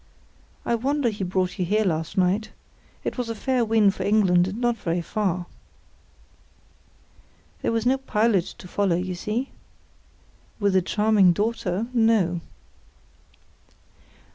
"I wonder he brought you here last night. It was a fair wind for England; and not very far." "There was no pilot to follow, you see." "With a charming daughter—no."